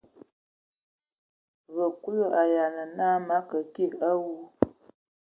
Vǝ Kulu a yalan naa: Mǝ akə kig a awu.